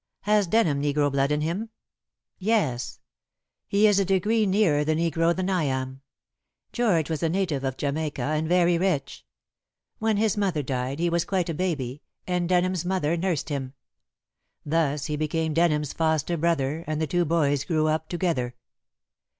"Has Denham negro blood in him?" "Yes. He is a degree nearer the negro than I am. George was a native of Jamaica, and very rich. When his mother died he was quite a baby, and Denham's mother nursed him. Thus he became Denham's foster brother, and the two boys grew up together.